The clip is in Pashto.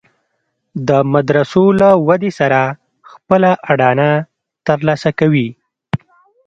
د مدرسو له ودې سره خپله اډانه تر لاسه کوي.